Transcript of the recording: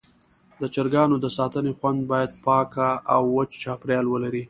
د چرګانو د ساتنې خونه باید پاکه او وچ چاپېریال ولري.